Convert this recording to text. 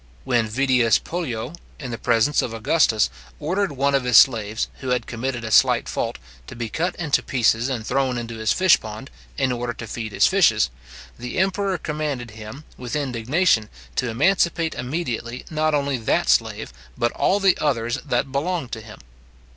When Vidius Pollio, in the presence of Augustus, ordered one of his slaves, who had committed a slight fault, to be cut into pieces and thrown into his fish pond, in order to feed his fishes, the emperor commanded him, with indignation, to emancipate immediately, not only that slave, but all the others that belonged to him.